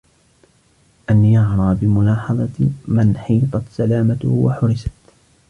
أَنْ يَعْرَى بِمُلَاحَظَةِ مِنْ حِيطَتْ سَلَامَتُهُ وَحُرِسَتْ